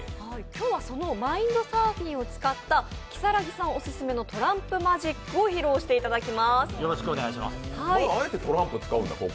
今日はそのマインドサーフィンを使った如月さんオススメのトランプマジックを披露していただきます。